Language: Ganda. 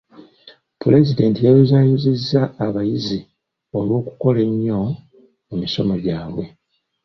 Pulezidenti yayozaayozezza abayizi olw'okukola ennyo mu misomo gyabwe.